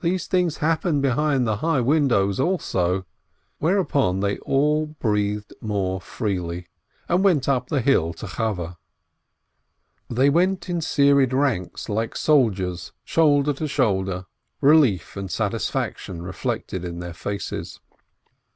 These things happen behind the "high windows" also. Whereupon they all breathed more freely, and went up the hill to Chaweh. They went in serried ranks, like soldiers, shoulder to shoulder, relief and satisfaction reflected in their faces.